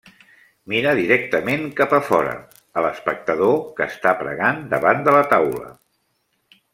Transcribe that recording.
Mira directament cap a fora, a l'espectador que està pregant davant de la taula.